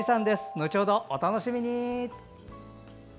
後ほど、お楽しみに！